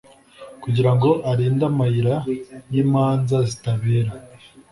kugira ngo arinde amayira y’imanza zitabera,